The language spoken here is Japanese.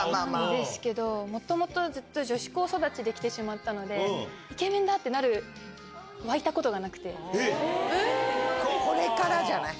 ですけど、もともと、ずっと女子高育ちできてしまったので、イケメンだ！って沸いたここれからじゃない。